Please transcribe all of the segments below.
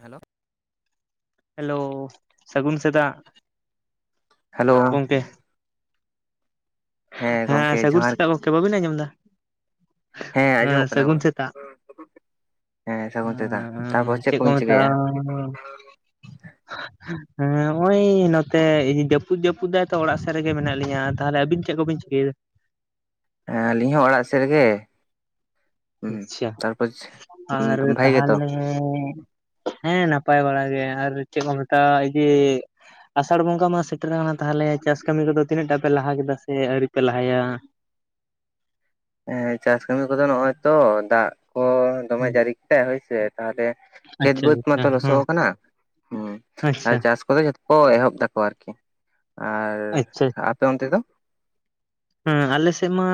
Hello hello ᱥᱟᱹᱜᱩᱱ ᱥᱮᱛᱟᱜ hello ᱜᱚᱝᱠᱮ ᱦᱮᱸ ᱜᱚᱝᱠᱮ ᱥᱟᱹᱜᱩᱱ ᱡᱚᱦᱟᱨ ᱥᱮᱛᱟᱜ ᱜᱚᱝᱠᱮ, ᱵᱟᱹᱵᱤᱱ ᱟᱸᱡᱚᱢ ᱮᱫᱟ ᱦᱮᱸ ᱟᱸᱡᱚᱢᱚᱜ ᱠᱟᱱᱟ ᱥᱟᱹᱜᱩᱱ ᱜᱚᱝᱠᱮ ᱥᱮᱛᱟᱜ ᱦᱮᱸ ᱥᱟᱹᱜᱩᱱ ᱥᱮᱛᱟᱜ ᱛᱟᱨᱯᱚᱨ [inaudible] ᱪᱮᱫ ᱠᱚ ᱠᱚᱵᱤᱱ ᱪᱤᱠᱟᱹᱭᱮᱫᱼᱟ [unintelligible] ᱦᱚᱸᱜᱼᱚᱭ ᱱᱚᱛᱮ ᱡᱟᱹᱯᱩᱫ ᱡᱟᱹᱯᱩᱫ ᱫᱟᱭ ᱛᱚ ᱚᱲᱟᱜ ᱥᱮᱫ ᱨᱮᱜᱮ ᱢᱮᱱᱟᱜ ᱞᱤᱧᱟ, ᱛᱟᱦᱞᱮ ᱟᱹᱵᱤᱱ ᱪᱮᱫ ᱠᱚᱵᱤᱱ ᱪᱤᱠᱟᱹᱭᱟ ᱦᱮᱸ ᱟᱹᱞᱤᱧ ᱦᱚᱸ ᱚᱲᱟᱜ ᱥᱮᱫ ᱨᱮᱜᱮ ᱦᱩᱸ ᱟᱪᱪᱷᱟ ᱛᱟᱨᱯᱚᱨ ᱟᱨ ᱵᱷᱟᱭ ᱜᱮᱛᱚ ᱛᱟᱦᱚᱞᱮ ᱦᱮᱸ ᱱᱟᱯᱟᱭ ᱵᱟᱲᱟ ᱜᱮ ᱟᱨ ᱪᱮᱫ ᱠᱚ ᱢᱮᱛᱟᱜᱼᱟ ᱡᱮ᱾ ᱟᱥᱟᱲ ᱵᱚᱸᱜᱟ ᱢᱟ ᱥᱮᱴᱮᱨ ᱟᱠᱟᱱᱟ ᱛᱟᱦᱚᱞᱮ ᱪᱟᱥ ᱠᱟᱹᱢᱤ ᱠᱚᱫᱚ ᱛᱤᱱᱟᱹᱜ ᱴᱟ ᱯᱮ ᱞᱟᱦᱟ ᱠᱮᱫᱟ ᱥᱮ ᱟᱹᱣᱨᱤ ᱯᱮ ᱞᱟᱦᱟᱭᱟ᱾ ᱦᱮᱸ ᱪᱟᱥ ᱠᱟᱹᱢᱤ ᱠᱚᱫᱚ ᱱᱚᱜᱼᱚᱭ ᱛᱚ ᱫᱟᱜ ᱠᱚ ᱫᱚᱢᱮ ᱡᱟᱹᱨᱤ ᱠᱮᱫᱛᱟᱭ ᱦᱳᱭᱥᱮ ᱛᱟᱦᱚᱞᱮ ᱠᱷᱮᱛ ᱟᱪᱪᱷᱟ ᱵᱟᱹᱫᱽ ᱟᱪᱪᱷᱟ ᱢᱟᱛᱚ ᱦᱮᱸ ᱞᱚᱥᱚᱜ ᱠᱟᱱᱟ ᱦ ᱟᱪᱪᱷᱟ ᱪᱟᱥ ᱠᱚᱫᱚ ᱡᱚᱛᱚ ᱠᱚ ᱮᱦᱚᱵ ᱮᱫᱟᱠᱚ ᱟᱨᱠᱤ ᱟᱨ ᱟᱪᱪᱷᱟ ᱟᱯᱮ ᱚᱱᱛᱮ ᱫᱚ ᱦᱮᱸ ᱟᱞᱮᱥᱮᱫ ᱢᱟ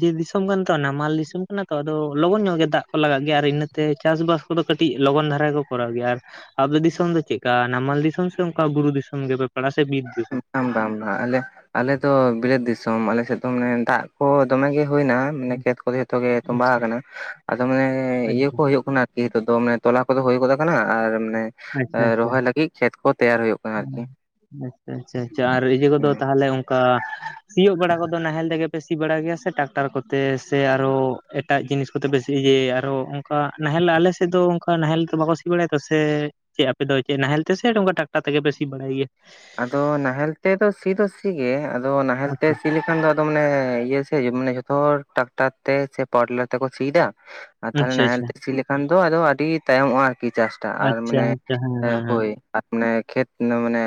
ᱡᱮ ᱫᱤᱥᱚᱢ ᱠᱟᱱ ᱛᱚ ᱱᱟᱢᱟᱞ ᱫᱤᱥᱚᱢ ᱠᱟᱱᱟ ᱛᱚ ᱟᱫᱚ ᱞᱚᱜᱚᱱ ᱧᱚᱜ ᱜᱮ ᱫᱟᱜ ᱠᱚ ᱞᱟᱜᱟᱜ ᱜᱮᱭᱟ ᱟᱨ ᱤᱱᱟᱹ ᱛᱮ ᱪᱟᱥᱵᱟᱥ ᱠᱚᱫᱚ ᱠᱟᱹᱴᱤᱡ ᱞᱚᱜᱚᱱ ᱫᱷᱟᱨᱟ ᱜᱮ ᱠᱚ ᱠᱚᱨᱟᱣ ᱜᱮᱭᱟ ᱟᱨ ᱟᱵᱮ ᱫᱤᱥᱚᱢ ᱫᱚ ᱪᱮᱫᱠᱟ ᱱᱟᱢᱟᱞ ᱫᱤᱥᱚᱢ ᱥᱮ ᱚᱱᱠᱟ ᱵᱩᱨᱩ ᱫᱤᱥᱚᱢ ᱜᱮᱯᱮ ᱯᱟᱲᱟᱜᱼᱟ ᱥᱮ ᱵᱤᱨ [inaudible] [unintelligible] ᱟᱢ ᱵᱟᱝ ᱵᱟᱝ ᱟᱞᱮ ᱟᱞᱮᱫᱚ ᱵᱤᱨᱟᱹᱛ ᱫᱤᱥᱚᱢ ᱟᱞᱮᱥᱮᱫ ᱫᱚ ᱢᱟᱱᱮ ᱫᱟᱜ ᱠᱚ ᱫᱚᱢᱮᱜ ᱜᱮ ᱦᱩᱭᱱᱟ ᱢᱟᱱᱮ ᱠᱷᱮᱛ ᱠᱚᱫᱚ ᱡᱷᱚᱛᱚ ᱜᱮ ᱛᱩᱢᱵᱟ ᱟᱪᱪᱷᱟ ᱟᱠᱟᱱᱟ ᱟᱫᱚ ᱢᱟᱱᱮ ᱤᱭᱟᱹ ᱠᱚ ᱦᱩᱭᱩᱜ ᱠᱟᱱᱟ ᱡᱮᱤᱛᱚᱜ ᱫᱚ ᱢᱟᱱᱮ ᱛᱚᱞᱟ ᱠᱚᱫᱚ ᱦᱩᱭ ᱜᱚᱫ ᱟᱠᱟᱱᱟ ᱟᱨ ᱢᱟᱱᱮ ᱟᱪᱪᱷᱟ ᱨᱚᱦᱚᱭ ᱞᱟᱹᱜᱤᱫ ᱠᱷᱮᱛ ᱠᱚ ᱛᱮᱭᱟᱨ ᱦᱩᱭᱩᱜ ᱠᱟᱱᱟ ᱟᱨᱠᱤ ᱟᱪᱪᱷᱟ ᱟᱪᱪᱷᱟ ᱟᱪᱪᱷᱟ ᱟᱨ ᱤᱭᱟᱹᱤᱭᱟᱹ ᱠᱚᱫᱚ ᱦᱩᱸ ᱛᱟᱦᱚᱞᱮ ᱚᱱᱠᱟ ᱥᱤᱭᱳᱜ ᱵᱟᱲᱟ ᱠᱚᱫᱚ ᱱᱟᱦᱮᱞ ᱛᱮᱜᱮ ᱯᱮ ᱥᱤ ᱵᱟᱲᱟ ᱜᱮᱭᱟ ᱥᱮ ᱴᱟᱠᱴᱟᱨ ᱠᱚᱛᱮ ᱥᱮ ᱟᱨᱚ ᱮᱴᱟᱜ ᱡᱤᱱᱤᱥ ᱠᱚᱛᱮ ᱵᱮᱥᱤ ᱡᱮ ᱟᱨᱚ ᱚᱱᱠᱟ ᱱᱟᱦᱮᱞ ᱟᱞᱮᱥᱮᱫ ᱫᱚ ᱚᱱᱠᱟ ᱱᱟᱦᱮᱞ ᱫᱚ ᱵᱟᱠᱚ ᱥᱤ ᱵᱟᱲᱟᱭᱟ ᱛᱚ ᱥᱮ ᱪᱮᱫ ᱟᱯᱮ ᱫᱚ ᱪᱮᱫ ᱱᱟᱦᱮᱞ ᱛᱮ ᱥᱮ ᱱᱚᱠᱟ ᱴᱟᱴᱟ ᱛᱮᱜᱮ ᱵᱮᱥᱤ ᱵᱟᱲᱟᱭ ᱜᱮᱭᱟ ᱟᱫᱚ ᱱᱟᱦᱮᱞ ᱛᱮ ᱫᱚ ᱥᱤ ᱫᱚ ᱥᱤ ᱜᱮ ᱟᱫᱚ ᱱᱟᱦᱮᱞ ᱛᱮ ᱥᱤ ᱞᱮᱱᱠᱷᱟᱱ ᱫᱚ ᱢᱟᱱᱮ ᱤᱭᱟᱹ ᱡᱚᱛᱚ ᱴᱨᱟᱠᱴᱟᱨ ᱛᱮ ᱥᱮ ᱯᱮᱞᱟᱨ ᱛᱮᱠᱚ ᱥᱤᱟ ᱟᱨ ᱛᱟᱦᱚᱞᱮ ᱟᱪᱪᱷᱟ ᱱᱟᱦᱮᱞ ᱟᱪᱪᱷᱟ ᱛᱮ ᱥᱤ ᱞᱮᱠᱷᱟᱱ ᱫᱚ ᱟᱫᱚ ᱟᱹᱰᱤ ᱛᱟᱭᱚᱢᱚᱜᱼᱟ ᱟᱨᱠᱤ ᱪᱟᱥᱴᱟ ᱟᱨ ᱟᱪᱪᱷᱟ ᱢᱟᱱᱮ ᱟᱪᱪᱷᱟ ᱦᱮᱸ ᱦᱟᱯᱳᱭ ᱟᱨ ᱢᱟᱱᱮ ᱠᱷᱮᱛ ᱢᱟᱱᱮ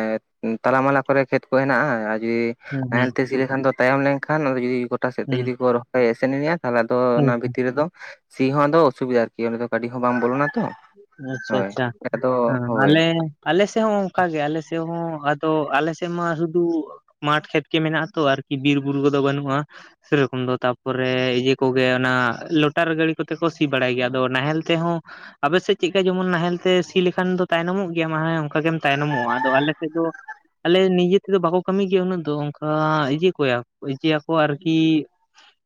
ᱛᱟᱞᱟ ᱢᱟᱞᱟ ᱠᱚᱨᱮ ᱠᱷᱮᱛ ᱠᱚ ᱦᱮᱱᱟᱜᱼᱟ ᱟᱨ ᱦᱮᱸ ᱦᱮᱸ ᱱᱟᱦᱮᱞᱛᱮ ᱥᱤ ᱞᱮᱠᱷᱟᱱ ᱫᱚ ᱛᱟᱭᱚᱢ ᱞᱮᱱᱠᱷᱟᱱ ᱡᱫᱤ ᱜᱚᱴᱟ ᱥᱮᱫ ᱛᱮ ᱦᱩᱸ ᱡᱩᱫᱤ ᱠᱚ ᱨᱚᱦᱚᱭ ᱮ ᱥᱮᱱᱧᱟ ᱛᱟᱦᱚᱞᱮ ᱛᱚ ᱦᱩᱸ ᱚᱱᱟ ᱦᱩᱸ ᱵᱷᱤᱛᱤᱨ ᱨᱮᱫᱚ ᱥᱤ ᱦᱚᱸ ᱟᱫᱚ ᱚᱥᱩᱵᱤᱫᱟ ᱟᱨᱠᱤ ᱚ ᱫᱚ ᱜᱟᱹᱰᱤ ᱦᱚᱸ ᱵᱟᱝ ᱵᱚᱞᱚᱱᱟ ᱛᱚ ᱟᱪᱪᱷᱟ ᱦᱳᱭ ᱟᱪᱪᱷᱟ ᱟᱫᱚ ᱦᱳᱭ ᱟᱞᱮ ᱟᱞᱮ ᱥᱮᱫ ᱦᱚᱸ ᱚᱱᱠᱟ ᱜᱮ ᱟᱞᱮ ᱥᱮᱫ ᱦᱚᱸ ᱟᱫᱚ ᱟᱞᱮ ᱥᱮᱫ ᱢᱟ ᱥᱩᱫᱩ ᱢᱟᱴᱷ ᱠᱷᱮᱛ ᱜᱮ ᱢᱮᱱᱟᱜ ᱟ ᱛᱚ ᱟᱨᱠᱤ ᱵᱤᱨᱵᱩᱨᱩ ᱠᱚᱫᱚ ᱵᱟᱹᱱᱩᱜᱼᱟ ᱥᱮᱨᱚᱠᱚᱢ ᱫᱚ ᱛᱟᱯᱚᱨᱮ ᱤᱭᱟᱹ ᱠᱚᱜᱮ ᱚᱱᱟ ᱞᱚᱴᱟᱨ ᱜᱰᱤᱤ ᱠᱚᱛᱮ ᱠᱚ ᱥᱤ ᱵᱟᱲᱟᱭ ᱜᱮᱭᱟ ᱟᱫᱚ ᱱᱟᱦᱮᱞ ᱛᱮ ᱦᱚᱸ ᱟᱯᱮᱥᱮᱫ ᱪᱮᱫ ᱞᱮᱠᱟ ᱡᱮᱢᱚᱱ ᱱᱟᱦᱮᱞ ᱛᱮ ᱥᱤ ᱞᱮᱠᱷᱟᱱ ᱫᱚ ᱛᱟᱭᱱᱚᱢᱚᱜ ᱜᱮᱭᱟ ᱢᱟ ᱚᱱᱠᱟ ᱜᱮᱢ ᱛᱟᱭᱱᱚᱢᱚᱜᱼᱟ ᱟᱫᱚ ᱟᱞ ᱥᱮᱫ ᱫᱚ ᱟᱞᱮ ᱱᱤᱡᱮ ᱛᱮᱫᱚ ᱵᱟᱠᱚ ᱠᱟᱹᱢᱤ ᱜᱮᱭᱟ ᱩᱱᱟᱹᱜ ᱫᱚ ᱚᱱᱠᱟ ᱤᱡᱤ ᱠᱚᱭᱟ ᱤᱭᱟᱹ ᱤᱭᱟ. ᱟᱨᱠᱤ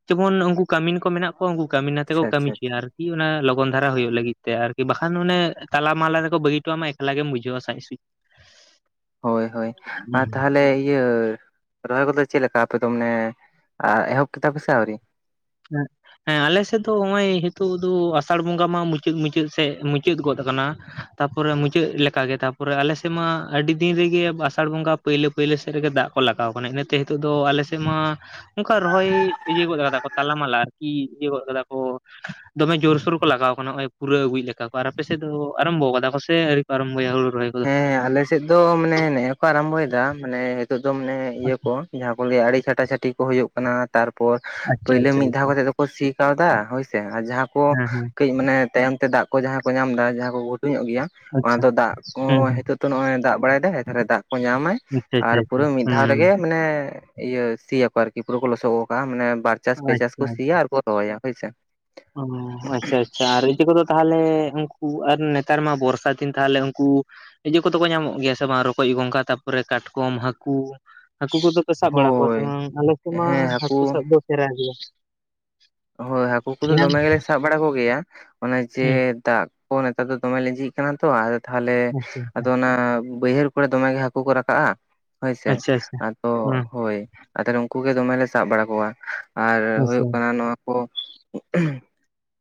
ᱡᱮᱢᱚᱱ ᱩᱱᱠᱩ ᱠᱟᱹᱢᱤᱱ ᱠᱚ ᱢᱮᱱᱟᱜ ᱠᱚᱣᱟ ᱩᱱᱠᱩ ᱠᱟᱹᱢᱛᱮ ᱠᱚ ᱟᱪᱪᱷᱟ ᱟᱪᱪᱷᱟ ᱟᱪᱪᱷᱟ ᱠᱟᱹᱢᱤᱪᱚᱭᱟ ᱟᱨᱠᱤ ᱚᱱᱟ ᱞᱚᱜᱚᱱ ᱫᱷᱟᱨᱟ ᱦᱩᱭᱩᱜ ᱞᱟᱹᱜᱤᱫ᱾ ᱟᱨᱠᱤ ᱵᱟᱠᱷᱟᱱ ᱚᱱᱮ ᱛᱟᱞᱟ ᱢᱟᱞᱟ ᱨᱮᱠᱚ ᱵᱟᱹᱜᱤ ᱦᱚᱴᱚᱣᱟ ᱢᱟ ᱮᱠᱞᱟ ᱜᱮᱢ ᱵᱩᱡᱷᱟᱹᱣᱟ ᱥᱟᱡ ᱥᱩᱪ ᱦᱳᱭ ᱦᱳᱭ ᱟᱨ ᱛᱟᱦᱚᱞᱮ ᱤᱭᱟᱹ ᱨᱚᱦᱚᱭ ᱠᱚᱫᱚ ᱪᱮᱫ ᱞᱮᱠᱟ ᱟᱯᱮ ᱫᱚ ᱢᱟᱱᱮ ᱮᱦᱚᱵ ᱠᱮᱫᱟ ᱯᱮᱥᱮ ᱟᱹᱣᱨᱤ [inaudible] ᱦᱮᱸ ᱟᱞᱮ ᱥᱮᱫ ᱫᱚ ᱱᱚᱜᱼᱚᱭ ᱱᱤᱛᱚᱜ ᱫᱚ ᱟᱥᱟᱲ ᱵᱚᱸᱜᱟ ᱢᱟ ᱢᱩᱪᱟᱹᱫ ᱢᱩᱪᱟᱹᱫ ᱥᱮᱫ ᱢᱩᱪᱟᱹᱫ ᱜᱚᱫ ᱟᱠᱟᱱᱟ ᱛᱟᱯᱚᱨᱮ ᱢᱩᱪᱟᱹᱫ ᱞᱮᱠᱟᱜᱮ ᱛᱟᱯᱚᱨᱮ ᱟᱞᱮᱥᱮᱫ ᱢᱟ ᱟᱹᱰᱤ ᱫᱤᱱ ᱨᱮᱜᱮ ᱟᱥᱟᱲ ᱵᱚᱸᱜᱟ ᱯᱟᱹᱭᱞᱟᱹ ᱯᱟᱹᱭᱞᱟᱹ ᱥᱮᱫ ᱨᱮᱜᱮ ᱫᱟᱜ ᱠᱚ ᱞᱟᱜᱟᱣ ᱠᱟᱱᱟ ᱤᱱᱟᱹᱛᱮ ᱱᱤᱛᱚᱜ ᱫᱚ ᱟᱞᱮᱥᱮᱫ ᱢᱟ ᱚᱱᱠᱟ ᱨᱚᱦᱚᱭ ᱤᱭᱟᱹ ᱜᱚᱫ ᱟᱠᱟᱫᱟ‌ ᱠᱚ᱾ ᱛᱟᱞᱞᱟ ᱢᱟᱞ ᱟᱨᱠᱤ ᱤᱭᱟᱹ ᱜᱚᱫ ᱠᱟᱫᱟ ᱠᱚ ᱫᱚᱢᱮ ᱡᱳᱨᱥᱳᱨ ᱠᱚ ᱞᱟᱜᱟᱣ ᱠᱟᱱᱟ ᱱᱚᱜᱼᱚᱭ ᱯᱩᱨᱟᱹ ᱟᱹᱩᱭ ᱞᱮᱠᱟ ᱠᱚ ᱟᱨ ᱟᱯᱮ ᱥᱮᱫ ᱫᱚ ᱟᱨᱟᱢᱵᱚ ᱠᱟᱫᱟ ᱠᱚ ᱥᱮ ᱟᱣᱨᱤ ᱠᱚ ᱟᱨᱟᱢᱵᱚᱭᱟ ᱦᱲᱩ ᱨᱚᱦᱚᱭ ᱠᱚᱫᱚ? ᱦᱮᱸ ᱟᱞᱮᱥᱮᱫ ᱫᱚ ᱢᱟᱱᱮ ᱱᱮᱜᱤᱭᱟᱹ ᱠᱚ ᱟᱨᱟᱢᱵᱷᱚᱭᱮᱫᱟ ᱢᱟᱱᱮ ᱱᱤᱛᱚᱜ ᱫᱚ ᱢᱟᱱᱮ ᱤᱭᱟᱹ ᱠᱚ ᱡᱟᱦᱟᱸ ᱠᱚ ᱞᱟᱹᱭᱟ ᱟᱹᱰᱤᱲ ᱪᱷᱟᱴᱟ ᱪᱷᱟᱴᱤ ᱠᱚ ᱦᱩᱭᱩᱜ ᱠᱟᱱᱟ ᱛᱟᱨᱯᱚᱨ ᱟᱪᱪᱷᱟ ᱯᱩᱭᱞᱳ ᱟᱪᱪᱷᱟ ᱢᱤᱫ ᱫᱷᱟᱣ ᱟᱪᱪᱷᱟ ᱠᱟᱛᱮ ᱫᱚ᱾ ᱥᱤ ᱠᱟᱣᱫᱟ ᱦᱳᱭᱥᱮ ᱟᱨ ᱡᱟᱦᱟᱸ ᱠᱚ ᱦᱮᱸ ᱦᱮᱸ ᱠᱟᱹᱡ ᱢᱟᱱᱮ ᱛᱟᱭᱚᱢ ᱛᱮ ᱫᱟᱜ᱾ ᱠᱚ ᱡᱟᱦᱟᱸᱭ ᱠᱚ ᱧᱟᱢ ᱮᱫᱟ ᱡᱟᱦᱟᱸ ᱠᱚ ᱜᱷᱩᱧᱚᱜ ᱜᱮᱭᱟ᱾ ᱟᱪᱪᱷᱟ ᱦᱮᱸ ᱦᱮᱸ ᱛᱚ ᱱᱚᱜᱚᱭ ᱫᱟᱜ ᱵᱟᱲᱟᱭᱮᱫᱟᱭ ᱮᱮ ᱫᱟᱜ ᱠᱚ ᱧᱟᱢᱟᱭ ᱟᱪᱪᱷᱟ ᱟᱨ ᱟᱪᱪᱷᱟ ᱟᱪᱪᱷᱟ ᱯᱩᱨᱟᱹ ᱢᱤᱫ ᱫᱷᱟᱣ ᱦᱩᱸ ᱨᱮᱜᱮ ᱢᱟᱱᱮ ᱤᱭᱟᱹ ᱥᱤᱭᱟ ᱵᱟᱲᱜᱤ ᱯᱩᱨᱟᱹ ᱠᱚ ᱞᱚᱥᱚᱜ ᱜᱚᱜ ᱠᱟᱜᱼᱟ ᱢᱟᱱᱮ ᱵᱟᱨ ᱪᱟᱥ ᱯᱮ ᱪᱟᱥ ᱠᱚ ᱥᱤᱭᱟ ᱟᱨ ᱟᱵᱚ ᱫᱚᱦᱚᱭᱟ, ᱦᱳᱭ ᱥᱮ᱾ ᱚᱻ ᱟᱪᱪᱷᱟᱭᱤᱪ ᱪᱷᱟ ᱨᱤᱛᱤ ᱠᱚᱫᱚ ᱛᱟᱦᱚᱞᱮ ᱩᱱᱠᱩ ᱟᱨ ᱱᱮᱛᱟᱨ ᱢᱟ ᱵᱚᱨᱥᱟ ᱫᱤᱱ ᱛᱟᱦᱚᱞᱮ ᱩᱱᱠᱩ ᱤᱡᱟᱹ ᱠᱚᱫᱚ ᱠᱚ ᱧᱟᱢᱚᱜ ᱜᱮᱭᱟ ᱥᱮ ᱵᱟᱝ ᱨᱚᱠᱚᱡ, ᱜᱚᱸᱜᱷᱟ ᱛᱟᱯᱚᱨᱮ ᱠᱟᱴᱠᱚᱢ ᱦᱟᱹᱠᱩ ᱦᱟᱹᱠᱩ ᱠᱚᱫᱚ ᱯᱮ ᱥᱟᱵ ᱵᱟᱲᱟ ᱠᱚᱣᱟ ᱥᱮ ᱦᱳᱭ ᱵᱟᱝ ᱟᱞᱮ ᱠᱩᱢᱟ ᱢᱟ ᱦᱟᱹᱠᱩ ᱥᱟᱵ ᱫᱚ ᱥᱮᱨᱟ ᱜᱮᱭᱟ ᱦᱳᱭ ᱦᱟᱹᱠᱩ ᱠᱚᱫᱚ ᱧᱟᱢ ᱫᱚᱢᱮ ᱜᱮᱞᱮ ᱥᱟᱵ ᱵᱟᱲᱟ ᱠᱚᱜᱮᱭᱟ ᱚᱱᱮ ᱡᱮ ᱦᱩᱸ ᱫᱟᱜ ᱠᱚ ᱱᱮᱛᱟᱨ ᱫᱚ ᱫᱚᱢᱮ ᱞᱤᱸᱡᱤᱜ ᱠᱟᱱᱟ ᱛᱚ ᱟᱨ ᱛᱟᱦᱚᱞᱮ ᱟᱪᱪᱷᱟ ᱟᱪᱪᱷᱟ ᱟᱫᱚ ᱚᱱᱟ ᱵᱟᱹᱭᱦᱟᱹᱲ ᱠᱚᱨᱮ ᱫᱚᱢᱮ ᱜᱮ ᱦᱟᱹᱠᱩ ᱠᱚ ᱨᱟᱠᱟᱵᱼᱟ ᱦᱳᱭ ᱥᱮ ᱟᱪᱪᱷᱟ ᱟᱪᱪᱷᱟ ᱟᱫᱚ ᱦᱩᱸ ᱦᱳᱭ ᱟᱫᱚ ᱩᱱᱠᱩ ᱜᱮ ᱫᱚᱢᱮᱞᱮ ᱥᱟᱵ ᱵᱟᱲᱟ ᱠᱚᱣᱟ ᱟᱨ ᱦᱩᱭᱩᱜ ᱟᱪᱪᱷᱟ ᱠᱟᱱᱟ ᱱᱚᱣᱟ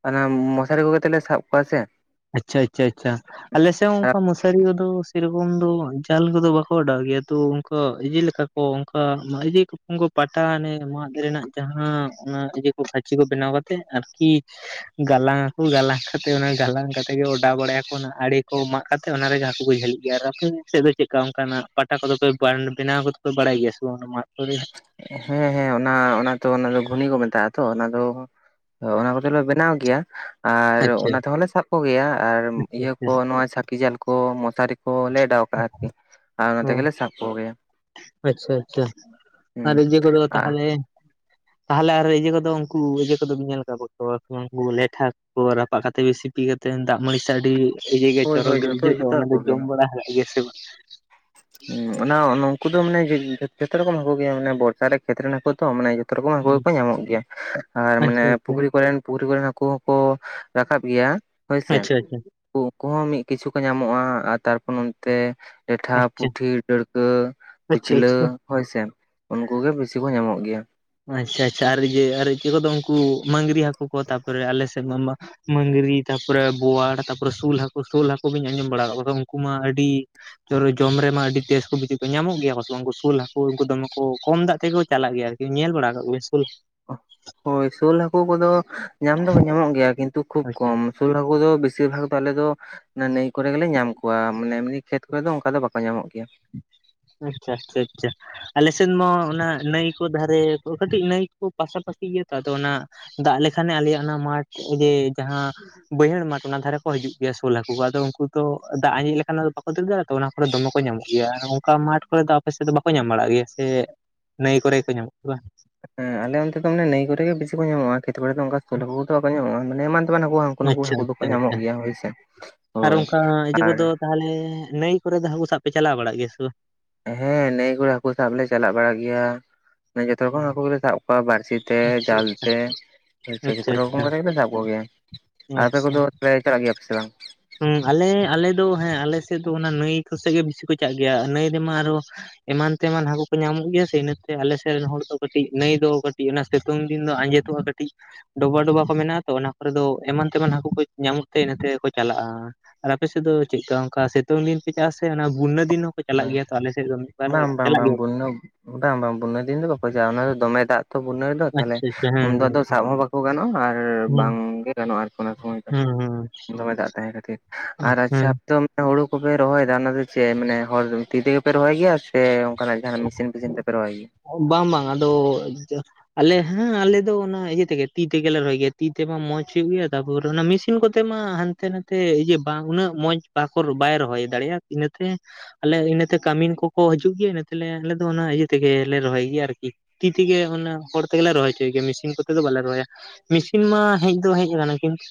ᱚᱱᱟ ᱢᱚᱥᱟᱨᱤ ᱠᱚ ᱠᱟᱛᱮᱞ ᱞᱮ ᱥᱟᱵ ᱠᱚᱣᱟ ᱥᱮ ᱟᱪᱪᱷᱟ ᱟᱪᱪᱷᱟ ᱟᱪᱪᱷᱟ ᱟᱞᱮᱥᱮ ᱦᱚᱸ ᱚᱱᱠᱟ ᱢᱚᱥᱟᱨᱤ ᱠᱚᱫᱚ ᱥᱮᱨᱚᱠᱚᱢ ᱫᱚ ᱡᱟᱞ ᱠᱚᱫᱚ ᱵᱟᱠᱚ ᱚᱰᱟᱣ ᱜᱮᱭᱟ ᱛᱚ ᱚᱱᱠᱟ ᱮᱫᱮᱠᱟ ᱚ ᱚᱝᱠᱟ ᱫᱷᱤᱨᱤ ᱠᱚᱯᱚᱱ ᱠᱚ ᱯᱟᱴᱟ ᱟᱱᱮ ᱢᱟᱫ ᱨᱮᱱᱟᱜ ᱡᱟᱦᱟᱸ ᱢᱚᱡ ᱜᱮ ᱠᱷᱟᱹᱪᱤ ᱠᱚ ᱵᱮᱱᱟᱣ ᱠᱟᱛᱮ ᱟᱨᱠᱤ ᱜᱟᱞᱟᱝ ᱟᱠᱚ ᱜᱟᱞᱟᱝ ᱠᱟᱛᱮ ᱚᱱᱟ ᱜᱟᱞᱟᱝ ᱠᱟᱛᱮ ᱜᱮ ᱚᱰᱟᱣ ᱵᱟᱲᱟᱭᱟ ᱠᱚ ᱚᱱᱟ ᱟᱲᱮ ᱠᱚ ᱢᱟᱜ ᱠᱟᱛᱮ ᱚᱱᱟ ᱨᱮ ᱦᱟᱹᱠᱩ ᱠᱚ ᱡᱷᱟᱹᱞᱤᱜ ᱜᱮ ᱟᱨ ᱟᱯᱮ ᱥᱮᱫ ᱫᱚ ᱪᱮᱫ ᱞᱮᱠᱟ ᱚᱱᱠᱟᱱᱟᱜ ᱯᱟᱴᱟ ᱠᱚᱫᱚ ᱠᱚ ᱵᱮᱱᱟᱣ ᱫᱚ ᱠᱚ ᱵᱟᱲᱟᱭ ᱜᱮᱭᱟ ᱥᱮ ᱵᱟᱝ ᱢᱟᱫ ᱠᱚᱨᱮ ᱦᱮᱸ ᱦᱮᱸ ᱚᱱᱟ ᱚᱱᱟ ᱛᱚ ᱚᱱᱟ ᱫᱚ ᱜᱷᱩᱱᱤ ᱠᱚ ᱢᱮᱛᱟᱜᱼᱟ ᱛᱚ ᱚᱱᱟ ᱫᱚ ᱚ ᱚᱱᱟ ᱠᱚ ᱫᱚ ᱞᱮ ᱵᱮᱱᱟᱣ ᱜᱮᱭᱟ ᱟᱨ ᱟᱪᱪᱷᱟ ᱚᱱᱟ ᱛᱮᱦᱚᱸ ᱞᱮ ᱥᱟᱵ ᱠᱚ ᱜᱮᱭᱟ ᱟᱨ ᱟᱪᱪᱷᱟ ᱤᱭᱟᱹ ᱟᱪᱪᱷᱟ ᱠᱚ ᱱᱚᱣᱟ ᱪᱷᱟᱹᱠᱤ ᱡᱟᱞ ᱠᱚ ᱢᱚᱥᱟᱨᱤ ᱠᱚ ᱠᱚ ᱞᱮ ᱚᱰᱟᱣ ᱠᱟᱜᱼᱟ ᱟᱨᱠᱤ ᱟᱨ ᱚᱱᱟ ᱛᱮ ᱦᱚᱸ ᱜᱮᱞᱮ ᱥᱟᱵ ᱠᱚ ᱜᱮᱭᱟ ᱟᱪᱪᱷᱟ ᱟᱪᱪᱷᱟ ᱟᱨ ᱦᱩᱸ ᱤᱭᱟᱹ ᱠᱚᱫᱚ ᱟᱨ ᱛᱟᱦᱚᱞᱮ ᱛᱟᱦᱚᱞᱮ ᱟᱨ ᱤᱭᱟᱹ ᱠᱚᱫᱚ ᱩᱱᱠᱩ ᱤᱭᱟᱹ ᱠᱚᱫᱚ ᱵᱤᱱ ᱧᱮᱞ ᱠᱟᱫ ᱠᱚᱣᱟ ᱥᱮ ᱵᱟᱝ ᱩᱱᱠᱩ ᱞᱮᱴ ᱦᱟᱠᱩ ᱠᱚ ᱨᱟᱯᱟᱜ ᱠᱟᱛᱮ ᱵᱤᱥᱤ ᱯᱤ ᱠᱟᱛᱮ ᱫᱟᱜ ᱢᱟᱹᱲᱤ ᱥᱟᱶ ᱟᱹᱰᱤ ᱤᱭᱟᱹ ᱜᱮ ᱦᱳᱭ ᱪᱚᱨᱚᱠ ᱦᱳᱭ ᱜᱮ ᱡᱷᱚᱛᱚ ᱵᱩᱡᱷᱟᱹᱜ ᱫᱚ ᱡᱷᱚᱛᱚ ᱚᱱᱟ ᱫᱚ ᱦᱟᱹᱠᱩ ᱜᱮ ᱡᱚᱢ ᱵᱟᱲᱟ ᱠᱟᱜ ᱜᱮᱭᱟ ᱥᱮ ᱵᱟᱝ? ᱚᱱᱟ ᱩᱱᱠᱩ ᱫᱚ ᱢᱟᱱᱮ ᱡᱷᱚᱛᱚ ᱨᱚᱠᱚᱢ ᱦᱟᱹᱠᱩ ᱜᱮᱭᱟ ᱢᱟᱱᱮ ᱵᱚᱨᱥᱟ ᱨᱮ ᱠᱷᱮᱛ ᱨᱮᱱ ᱦᱟᱹᱠᱩ ᱛᱚ ᱢᱟᱱᱮ ᱡᱷᱚᱛᱚ ᱨᱚᱠᱚᱢ ᱦᱟᱠᱩ ᱵᱟᱝ? ᱜᱮᱠᱚ ᱧᱟᱢᱚᱜ ᱜᱮᱭᱟ, ᱟᱨ ᱢᱟᱱᱮ ᱟᱪᱪᱷᱟ ᱟᱪᱪᱷᱟ ᱯᱩᱠᱷᱨᱤ ᱠᱚᱨᱮᱱ ᱯᱩᱨᱤ ᱠᱚᱨᱮᱱ ᱦᱟᱹᱠᱩ ᱦᱚᱸᱠᱚ ᱨᱟᱠᱟᱵ ᱜᱮᱭᱟ ᱦᱳᱭᱥᱮ ᱟᱪᱪᱷᱟ ᱟᱪᱪᱷᱟ ᱩᱱᱠᱩ ᱦᱚᱸᱚᱸ ᱢᱤᱫ ᱠᱤᱪᱷᱩ ᱠᱚ ᱧᱟᱢᱚᱜᱼᱟ ᱟᱨ ᱛᱟᱨᱯᱚᱨ ᱱᱚᱱᱚᱛᱛᱮ ᱞᱮᱴᱷᱟᱯ ᱟᱪᱪᱷᱟ ᱯᱩᱴᱷᱤ ᱰᱟᱹᱲᱠᱟᱹ ᱟᱪᱪᱷᱟ ᱠᱩᱪᱞᱟᱹ ᱟᱪᱪᱷᱟ ᱦᱳᱭ ᱥᱮ ᱩᱱᱠᱩ ᱜᱮ ᱵᱤᱥᱤ ᱠᱚ ᱧᱟᱢᱚᱜ ᱜᱮᱭᱟ ᱟᱪᱪᱷᱟ ᱟᱪᱪᱷᱟ ᱟᱨ ᱤᱭᱟᱹ ᱟᱨ ᱪᱮᱫ ᱠᱚᱫᱚ ᱩᱱᱠᱩ ᱢᱟᱝᱜᱨᱤ ᱦᱟᱹᱠᱩ ᱠᱚ ᱛᱟᱨᱯᱚᱨᱮ ᱟᱞᱮ ᱥᱮᱫ ᱢᱟ ᱢᱟᱝᱨᱤ ᱛᱟᱯᱚᱨᱮ ᱵᱳᱣᱟᱲ ᱛᱟᱯᱚᱨᱮ ᱥᱳᱞ ᱦᱟᱹᱠᱩ ᱥᱳᱞ ᱦᱟᱹᱠᱩ ᱫᱚᱧ ᱟᱸᱡᱚᱢ ᱵᱟᱲᱟ ᱟᱠᱟᱫ ᱠᱚ ᱩᱱᱠᱩ ᱢᱟ ᱟᱹᱰᱤ ᱡᱚᱢ ᱨᱮᱢᱟ ᱟᱹᱰᱤ ᱵᱮᱥ ᱠᱚ ᱵᱩᱡᱷᱟᱹᱣ ᱠᱟᱱ ᱧᱟᱢᱚᱜ ᱜᱮᱭᱟ ᱠᱚ ᱥᱮᱵᱟᱝ ᱩᱱᱠᱩ ᱥᱳᱞ ᱦᱟᱹᱠᱩ ᱩᱱᱠᱩ ᱫᱚᱢᱮ ᱠᱚ ᱠᱚᱢ ᱫᱟᱜ ᱛᱮᱜᱮ ᱠᱚ ᱪᱟᱞᱟᱜ ᱜᱮᱭᱟ ᱟᱨᱠᱤ ᱧᱮᱞ ᱵᱟᱲᱟ ᱟᱠᱟᱫ ᱠᱚᱜᱮ ᱥᱳᱞ ᱦᱳᱭ ᱥᱳᱞ ᱦᱟᱹᱠᱩ ᱠᱚᱫᱚ ᱧᱟᱢ ᱫᱚᱠᱚ ᱧᱟᱢᱚᱜ ᱜᱮᱭᱟ ᱠᱤᱱᱛᱩ ᱠᱷᱩᱵ ᱟᱪᱪᱷᱟ ᱠᱚᱢ ᱥᱳᱞ ᱦᱟᱹᱠᱩ ᱫᱚ ᱵᱮᱥᱤᱨ ᱵᱷᱟᱜ ᱫᱚ ᱟᱞᱮ ᱫᱚ ᱱᱟᱹᱭ ᱠᱚᱨᱮ ᱜᱮᱞᱮ ᱧᱟᱢ ᱠᱚᱣᱟ ᱢᱮ ᱮᱢᱱᱤ ᱠᱷᱮᱛ ᱠᱚᱨᱮ ᱫᱚ ᱚᱱᱠᱟ ᱫᱚ ᱵᱟᱠᱚ ᱧᱟᱢᱚᱜ ᱜᱮᱭᱟ ᱟᱪᱪᱷᱟ ᱟᱪᱪᱷᱟ ᱟᱪᱪᱷᱟ ᱟᱞᱮ ᱥᱮᱫ ᱢᱟ ᱚᱱᱟ ᱱᱟᱹᱭ ᱠᱚ ᱫᱷᱟᱨᱮ ᱠᱚ ᱠᱟᱹᱴᱤᱡ ᱱᱟᱹᱭ ᱠᱚ ᱯᱟᱥᱟᱯᱟᱥᱤ ᱜᱮᱭᱟ ᱛᱚ ᱟᱫᱚ ᱚᱱᱟ ᱫᱟᱜ ᱞᱮᱠᱷᱟᱱ ᱮ ᱟᱞᱮᱭᱟᱜ ᱚᱱᱟ ᱢᱟᱴᱷ ᱜᱮ ᱡᱟᱦᱟᱸ ᱵᱟᱹᱭᱦᱟᱹᱲ ᱢᱟᱴᱷ ᱚᱱᱟ ᱫᱷᱟᱨᱮ ᱠᱚ ᱦᱤᱡᱩᱜ ᱜᱮᱭᱟ ᱥᱳᱞ ᱦᱟᱹᱠᱩ ᱠᱚ ᱟᱫᱚ ᱩᱱᱠᱩ ᱫᱚ ᱫᱟᱜ ᱟᱸᱡᱮᱫ ᱞᱮᱱᱠᱟᱱ ᱫᱚ ᱵᱟᱠᱚ ᱫᱟᱹᱲ ᱫᱟᱲᱮᱜᱼᱟ ᱛᱚ ᱚᱱᱟ ᱠᱚᱨᱮ ᱫᱚᱢᱮ ᱠᱚ ᱧᱟᱢᱚᱜᱼᱼ ᱜᱮᱭᱟ ᱟᱨ ᱚᱱᱠᱟ ᱢᱟᱴ ᱠᱚᱨᱮ ᱫᱚ ᱟᱯᱮ ᱥᱮᱫ ᱫᱚ ᱵᱟᱠᱚ ᱧᱟᱢ ᱵᱟᱲᱟᱜ ᱜᱮᱭᱟ ᱥᱮ ᱱᱟᱹᱭ ᱠᱚᱨᱮ ᱠᱚ ᱧᱟᱢᱚᱜ ᱜᱮ ᱵᱟᱝ ᱮᱸ ᱟᱞᱮ ᱚᱱᱛᱮ ᱫᱚ ᱱᱟᱹᱭ ᱨᱮ ᱜᱮ ᱵᱤᱥᱤ ᱠᱚ ᱧᱟᱢᱚᱜᱼᱟ, ᱠᱷᱮᱛ ᱠᱚᱨᱮ ᱫᱚ ᱚᱱᱠᱟ ᱥᱟᱞ ᱦᱟᱹᱠᱩ ᱠᱚ ᱫᱚ ᱵᱟᱠᱚ ᱧᱟᱢᱚᱜᱼᱟ, ᱮᱢᱟᱱ ᱛᱮᱵᱟᱱᱟ ᱦᱟᱹᱠᱩ ᱠᱚ ᱱᱩᱠᱩ ᱟᱪᱪᱷᱟ ᱦᱟᱹᱠᱩ ᱫᱚᱠᱚ ᱟᱪᱪᱷᱟ ᱧᱟᱢᱚᱜ ᱟᱪᱪᱷᱟ ᱜᱮᱭᱟ ᱦᱳᱭ ᱥᱮ ᱟᱨ ᱦᱳᱭ ᱚᱱᱠᱟ ᱤᱭᱟᱹ ᱟᱨ ᱠᱚᱫᱚ ᱛᱟᱦᱚᱞᱮ ᱱᱟᱹᱭ ᱠᱚᱨᱮ ᱫᱚ ᱦᱟᱹᱠᱩ ᱥᱟᱵ ᱯᱮ ᱪᱟᱞᱟᱣ ᱵᱟᱲᱟᱜ ᱜᱮᱭᱟ ᱥᱮ ᱵᱟᱝ ᱦᱮᱸ ᱱᱟᱹᱭ ᱠᱚᱨᱮ ᱦᱟᱹᱠᱩ ᱥᱟᱵ ᱞᱮ ᱪᱟᱞᱟᱜ ᱵᱟᱲᱟᱜ ᱜᱮᱭᱟ ᱢᱟᱱᱮ ᱡᱚᱛᱚ ᱨᱚᱠᱚᱢ ᱦᱟᱹᱠᱩ ᱜᱮᱞᱮ ᱥᱟᱵ ᱠᱚᱣᱟ ᱵᱟᱲᱥᱤ ᱛᱮ ᱟᱪᱪᱷᱟ ᱡᱟᱞ ᱛᱮ ᱟᱪᱪᱷᱟ ᱡᱚᱛᱚ ᱨᱚᱠᱚᱢ ᱟᱪᱪᱷᱟ ᱠᱟᱛᱮ ᱜᱮᱠᱚ ᱥᱟᱵ ᱠᱚ ᱜᱮᱭᱟ ᱟᱨ ᱟᱯᱮ ᱠᱚᱫᱚ ᱨᱚᱦᱚᱭ ᱠᱟᱜ ᱜᱮᱭᱟ ᱯᱮ ᱥᱮ ᱵᱟᱝ? ᱦᱮᱸ ᱟᱞᱮ ᱟᱞᱮ ᱫᱚ ᱦᱮᱸ ᱟᱞᱮ ᱥᱮᱫ ᱫᱚ ᱚᱱᱟ ᱱᱟᱹᱭ ᱠᱚᱥᱮᱫ ᱜᱮ ᱵᱮᱥᱤ ᱠᱚ ᱪᱟᱜ ᱜᱮᱭᱟ ᱱᱟᱹᱭ ᱨᱮᱢᱟ ᱟᱨᱚ ᱮᱢᱟᱱ ᱛᱮᱢᱟᱱ ᱦᱟᱹᱠᱩ ᱠᱚ ᱧᱟᱢᱚᱜ ᱜᱮᱭᱟ ᱥᱮ ᱤᱱᱟᱹᱛᱮ ᱟᱞᱮ ᱥᱮᱫ ᱨᱮᱱ ᱦᱚᱲ ᱫᱚ ᱠᱟᱹᱴᱤᱡ ᱱᱟᱹᱭ ᱫᱚ ᱚᱱᱟ ᱥᱤᱛᱳᱝ ᱫᱤᱱ ᱫᱚ ᱟᱸᱡᱮᱫᱚᱜᱼᱟ ᱠᱟᱹᱴᱤᱡ ᱾ ᱰᱚᱵᱟ ᱰᱚᱵᱟ ᱠᱚ ᱢᱮᱱᱟᱜᱼᱟ ᱛᱚ ᱚᱱᱟ ᱠᱚᱨᱮ ᱫᱚ ᱮᱢᱟᱱ ᱛᱮᱢᱟᱱ ᱦᱟᱹᱠᱩ ᱠᱚ ᱧᱟᱢᱚᱢ ᱛᱮ ᱤᱱᱟᱹᱛᱮ ᱠᱚ ᱪᱟᱞᱟᱜᱼᱟ ᱟᱨ ᱟᱯᱮ ᱥᱮᱫ ᱫᱚ ᱪᱮᱫᱠᱟ ᱚᱱᱠᱟ ᱥᱤᱛᱳᱝ ᱫᱤᱱ ᱯᱮ ᱪᱟᱜ ᱟᱥᱮ ᱚᱱᱟ ᱵᱩᱱᱱᱟ ᱫᱤᱱ ᱦᱚᱸ ᱪᱟᱞᱟᱜ ᱦᱳᱭ ᱜᱮᱭᱟ ᱛᱚ ᱟᱞᱮ ᱥᱮᱫ ᱫᱚ ᱢᱤᱫ ᱵᱟᱨ ᱵᱟᱝ ᱦᱚᱲ ᱵᱟᱝ ᱪᱟᱞᱟᱜ ᱵᱟᱝ ᱜᱮᱭᱟ ᱠᱚ ᱾ ᱵᱚᱱᱱᱟ ᱵᱟᱝ ᱵᱟᱝ ᱵᱩᱱᱟᱹ ᱫᱤᱱ ᱫᱚ ᱵᱟᱠᱚ ᱪᱟᱜᱼᱟ ᱚᱱᱟ ᱫᱚ ᱫᱚᱢᱮ ᱫᱟᱜ ᱾ [unintelligible] ᱛᱟᱦᱚᱞᱮ ᱟᱪᱪᱷᱟ ᱟᱪᱪᱷᱟ ᱦᱮᱸ ᱩᱱᱫᱚ ᱟᱫᱚ ᱥᱟᱵ ᱦᱚᱸ ᱵᱟᱠᱚ ᱜᱟᱱᱚᱜᱼᱟ ᱟᱨ ᱵᱟᱝ ᱦᱮᱸ ᱜᱮ ᱜᱟᱱᱚᱜᱼᱟ ᱟᱨᱠᱤ ᱚᱱᱟ ᱥᱚᱢᱚᱭ ᱫᱚ ᱦᱮᱸ ᱫᱚᱢᱮ ᱫᱟᱜ ᱛᱟᱦᱮᱸ ᱠᱷᱟᱹᱛᱤᱨ ᱾ ᱦᱮᱸ ᱟᱨ ᱟᱪᱪᱷᱟ ᱦᱮᱸ ᱟᱯᱮ [inaudible] ᱦᱩᱲᱩ ᱠᱚᱯᱮ ᱨᱚᱦᱚᱭᱫᱟ ᱚᱱᱟ ᱫᱚ ᱪᱮᱫ ᱢᱟᱱᱮ ᱦᱚᱲ ᱛᱤ ᱛᱮᱜᱮ ᱯᱮ ᱨᱚᱦᱚᱭ ᱜᱮᱭᱟ? ᱥᱮ ᱚᱱᱠᱟᱱᱟᱜ ᱡᱟᱦᱟᱱ ᱢᱤᱥᱤᱱ ᱯᱤᱥᱤᱱ ᱛᱮᱯᱮ ᱨᱚᱦᱚᱭ ᱜᱮᱭᱟ? ᱵᱟᱝ ᱵᱟᱝ ᱟᱫᱚ ᱟᱞᱮ ᱦᱮᱸ ᱟᱞᱮ ᱫᱚ ᱚᱱᱟ ᱤᱭᱟᱹ ᱛᱮᱜᱮ ᱛᱤ ᱛᱮᱜᱮᱞᱮ ᱨᱚᱦᱚᱭ ᱜᱮᱭᱟ ᱛᱤ ᱛᱮᱢᱟ ᱢᱚᱸᱡᱽ ᱦᱳᱭᱳᱜ ᱜᱮᱭᱟ ᱛᱟᱯᱚᱨ ᱚᱱᱟ ᱢᱤᱥ ᱤᱥᱤᱱ ᱠᱚᱛᱮ ᱢᱟ ᱦᱟᱱᱛᱮ ᱱᱟᱛᱮ ᱤᱭᱟᱹ ᱵᱟᱝ ᱩᱱᱟᱹᱜ ᱢᱚᱸᱡᱽ ᱵᱟᱠᱚ ᱵᱟᱭ ᱨᱚᱦᱚᱭ ᱫᱟᱲᱮᱭᱟᱜ ᱤᱱᱟᱹᱛᱮ ᱟᱞᱮ ᱤᱱᱟᱹᱛᱮ ᱠᱟᱹᱢᱤᱱ ᱠᱚᱠᱚ ᱦᱤᱡᱩᱜ ᱜᱮᱭᱟ ᱤᱱᱟᱹᱛᱮᱞᱮ ᱟᱞᱮ ᱫᱚ ᱚᱱᱟ ᱤᱭᱟᱹ ᱛᱮᱜᱮᱞᱮ ᱨᱚᱦᱚᱭ ᱜᱮᱭᱟ ᱟᱨᱠᱤ ᱛᱤ ᱛᱮᱜᱮ ᱦᱚᱲ ᱛᱮᱜᱮ ᱨᱚᱦᱚᱭ ᱦᱚᱪᱚᱭ ᱜᱮᱭᱟ ᱢᱮᱥᱤᱱ ᱠᱚᱛᱮ ᱫᱚ ᱵᱟᱞᱮ ᱨᱚᱦᱚᱭᱟ ᱢᱮᱥᱤᱱ ᱢᱟ ᱦᱮᱡ ᱫᱚ ᱦᱮᱡ ᱠᱟᱱᱟ ᱠᱤᱱᱛᱩ